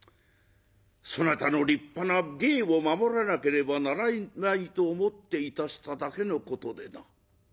そなたの立派な芸を守らなければならないと思っていたしただけのことでな。